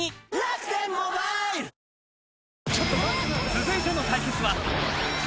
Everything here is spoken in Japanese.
［続いての対決は］